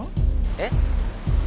えっ？